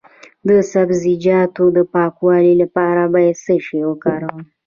د سبزیجاتو د پاکوالي لپاره باید څه شی وکاروم؟